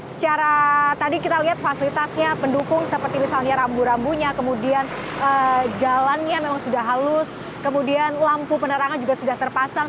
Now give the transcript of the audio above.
secara tadi kita lihat fasilitasnya pendukung seperti misalnya rambu rambunya kemudian jalannya memang sudah halus kemudian lampu penerangan juga sudah terpasang